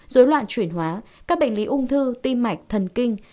dối loạn chuyển hóa các bệnh lý ung thư tim mạch thần kinh